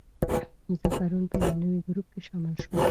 زه پرون په یو نوي ګروپ کې شامل شوم.